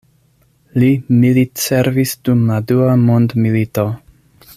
Li militservis dum la Dua Mondmilito.